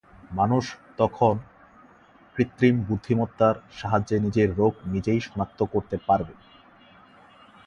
মানুষ তখন কৃত্রিম বুদ্ধিমত্তার সাহায্যে নিজের রোগ নিজেই শনাক্ত করতে পারবে।